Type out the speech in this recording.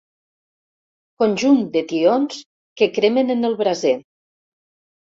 Conjunt de tions que cremen en el braser.